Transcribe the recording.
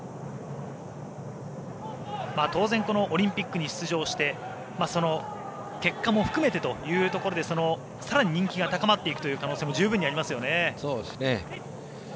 当然、オリンピックに出場してその結果も含めてというところでさらに人気が高まってくるという状況も十分ありますよね。